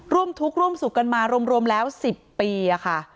ร่วมทุกข์ร่วมสุขกันมารวมแล้ว๑๐ปีค่ะ